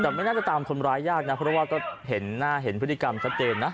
แต่ไม่น่าจะตามคนร้ายยากนะเพราะว่าก็เห็นหน้าเห็นพฤติกรรมชัดเจนนะ